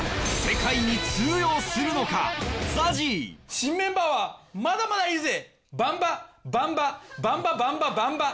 新メンバーはまだまだいるぜ！